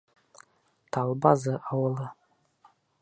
Талбазы ауылы.